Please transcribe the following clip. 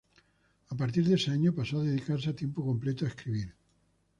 A partir de ese año, pasó a dedicarse a tiempo completo a escribir.